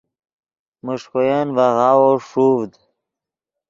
میݰکوین ڤے غاوو ݰوڤد